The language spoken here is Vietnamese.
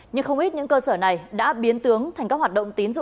nhưng không ít những cơ sở này đã biến tướng thành các hoạt động tín dụng